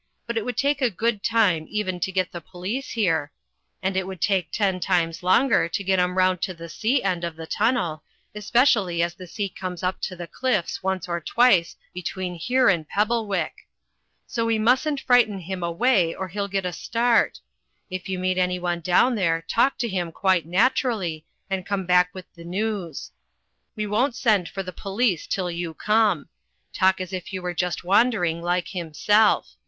But it would take a good time even to get the police here, and it would take ten times longer to get 'em round to the sea end of the tunnel, especially as the sea comes up to the cliffs once or uiymzeu uy '.^Jv^■^^^lL 152 THE FLYING INN twice between here and. Pebblewick. So we mustn't frighten him away, or hfc'll get a start If you meet anyone down there talk to him quite naturally, and come back with the news. We won't send for the police till you come. Talk as if you were just wan dering like himself.